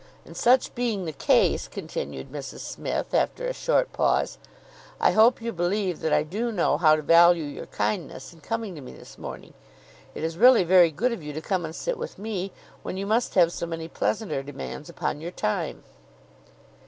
"And such being the case," continued Mrs Smith, after a short pause, "I hope you believe that I do know how to value your kindness in coming to me this morning. It is really very good of you to come and sit with me, when you must have so many pleasanter demands upon your time."